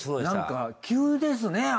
なんか急ですね